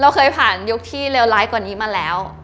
เคยผ่านยุคที่เลวร้ายกว่านี้มาแล้ว